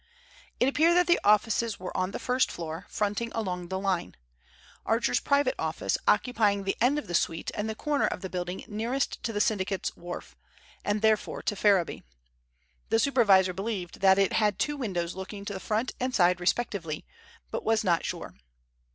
It appeared that the offices were on the first floor, fronting along the line, Archer's private office occupying the end of the suite and the corner of the building nearest to the syndicate's wharf, and therefore to Ferriby. The supervisor believed that it had two windows looking to the front and side respectively, but was not sure.